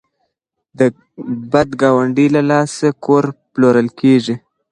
د بد ګاونډي له لاسه کور پلورل کیږي.